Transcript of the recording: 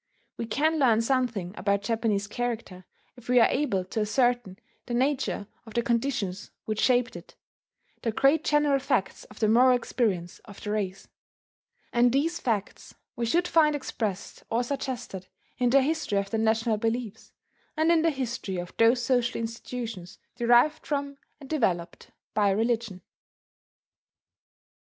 We can learn something about Japanese character if we are able to ascertain the nature of the conditions which shaped it, the great general facts of the moral experience of the race. And these facts we should find expressed or suggested in the history of the national beliefs, and in the history of those social institutions derived from and developed by religion.